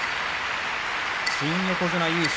新横綱優勝